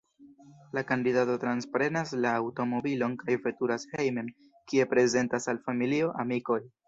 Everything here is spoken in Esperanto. La kandidato transprenas la aŭtomobilon kaj veturas hejmen, kie prezentas al familio, amikoj.